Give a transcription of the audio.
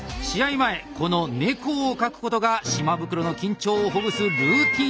前この猫を描くことが島袋の緊張をほぐすルーティーンだそうです。